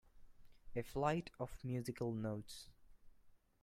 A flight of musical notes.